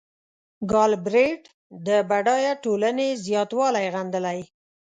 ګالبرېټ د بډایه ټولنې زیاتوالی غندلی.